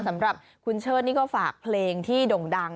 สำหรับคุณเชิดนี่ก็ฝากเพลงที่ด่งดัง